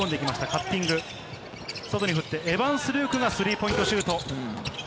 カッティング、外に振って、エヴァンス・ルーク、スリーポイントシュート。